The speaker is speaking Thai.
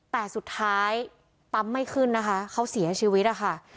แต่สุดท้ายปั๊มไม่ขึ้นนะคะเขาเสียชีวิตนะคะ